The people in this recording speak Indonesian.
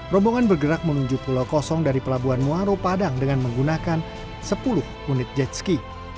rombongan bergerak menuju pulau gosong dari pelabuhan muaropadang dengan menggunakan sepuluh unit jetski